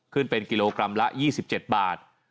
เป็นกิโลกรัมละ๒๗บาท